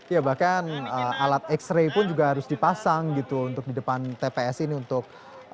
ya bahkan alat x ray pun juga harus dipasang gitu untuk di depan tps ini untuk